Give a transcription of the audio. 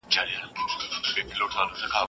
د علمي پوهې ترلاسه کول ډېر ارزښت لري.